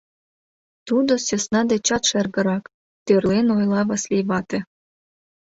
Тудо сӧсна дечат шергырак, — тӧрлен ойла Васлий вате.